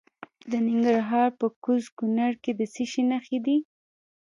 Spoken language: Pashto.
د ننګرهار په کوز کونړ کې د څه شي نښې دي؟